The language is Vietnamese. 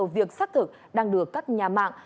việc xác thực đang được các nhà mạng